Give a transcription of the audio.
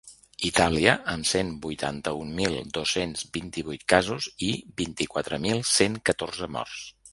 Itàlia, amb cent vuitanta-un mil dos-cents vint-i-vuit casos i vint-i-quatre mil cent catorze morts.